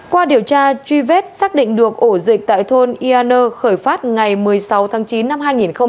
qua điều tra truy vết xác định được ổ dịch tại thôn ea nu khởi phát ngày một mươi sáu tháng chín năm hai nghìn hai mươi một